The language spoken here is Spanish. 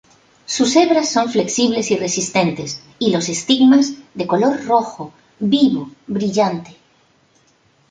Sus hebras son flexibles y resistentes y los estigmas de color rojo vivo brillante.